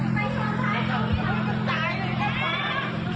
บอส